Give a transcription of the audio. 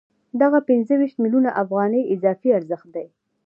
دغه پنځه ویشت میلیونه افغانۍ اضافي ارزښت دی